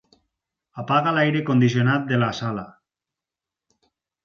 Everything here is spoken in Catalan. Apaga l'aire condicionat de la sala.